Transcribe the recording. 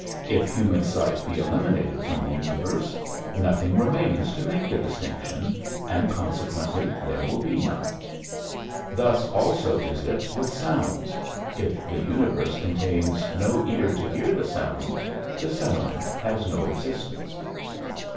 If human sight be eliminated from the universe, nothing remains to make the distinction, and consequently there will be none. Thus also is it with sounds. If the universe contains no ear to hear the sound, the sound has no existence."